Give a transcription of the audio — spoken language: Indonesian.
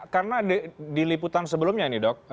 karena di liputan sebelumnya ini dok